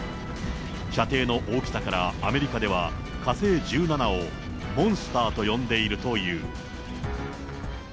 射程の大きさから、アメリカでは火星１７をモンスターと呼んでいるという。